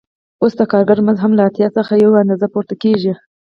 اوس د کارګر مزد هم له اتیا څخه یوې اندازې ته پورته کېږي